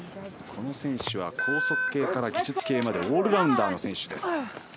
この選手は高速系から技術系までオールラウンダーの選手。